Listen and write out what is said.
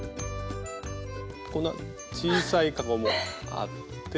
こんな小さいかごもあって。